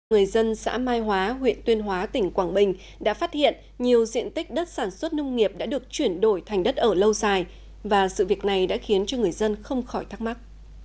người dân xã mai hóa huyện tuyên hóa tỉnh quảng bình đã phát hiện nhiều diện tích đất sản xuất nông nghiệp đã được chuyển đổi thành đất ở lâu dài và sự việc này đã khiến cho người dân không khỏi thắc mắc